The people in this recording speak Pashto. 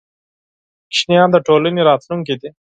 ماشومان د ټولنې راتلونکې دي.